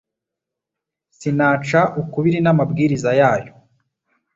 sinaca ukubiri n’amabwiriza yayo